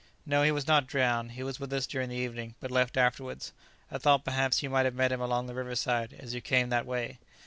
"No, he was not drowned; he was with us during the evening, but left afterwards; I thought perhaps you might have met him along the river side, as you came that way."